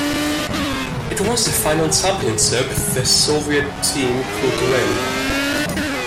It was the final championship the Soviet team would win.